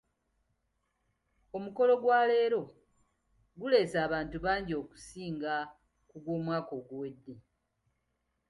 Omukolo gwa leero guleese abantu bangi okusinga ku gw'omwaka oguwedde.